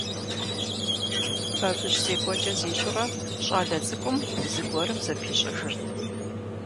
Бабыщ зекӀуэкӀэ зищӀурэ щӀалэ цӀыкӀум зыгуэрым зыпищӀыжырт.